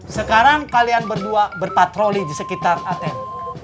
sekarang kalian berdua berpatroli di sekitar atm